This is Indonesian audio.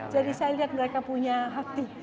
jadi saya lihat mereka punya hati